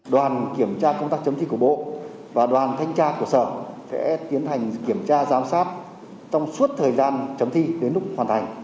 đoàn kiểm tra công tác chấm thi của bộ và đoàn thanh tra của sở sẽ tiến hành kiểm tra giám sát trong suốt thời gian chấm thi đến lúc hoàn thành